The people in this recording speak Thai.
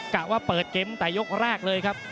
กะว่าเปิดเกมตั้งแต่ยกแรกเลยครับ